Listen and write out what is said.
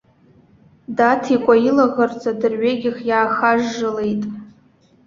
Даҭикәа илаӷырӡ адырҩегьых иаахажжылеит.